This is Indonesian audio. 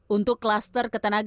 untuk klaster ketenangan